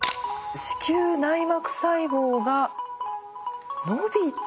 子宮内膜細胞が伸びて。